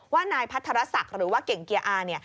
ว่านายพัทธรศักดิ์หรือว่าเก่งเกียร์อาร์